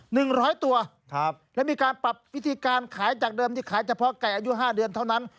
หนึ่งร้อยตัวครับและมีการปรับวิธีการขายจากเดิมที่ขายเฉพาะไก่อายุห้าเดือนเท่านั้น